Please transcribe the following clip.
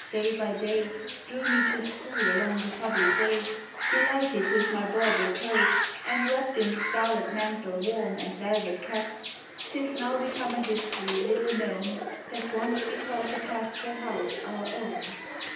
day by day. Drew me to st hool along the public way.— Delighted with my bawble co ich, and wrapped Digitized by Google ABOUT CHILDREN. 81 In scarlet mantle warm and velvet cap, — T is now become a history little known That once we called the pastoral house our own.